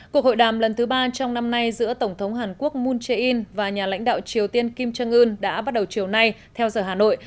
cuộc hội đàm lần thứ ba trong năm nay giữa tổng thống hàn quốc moon jae in và nhà lãnh đạo triều tiên kim jong un đã bắt đầu chiều nay theo giờ hà nội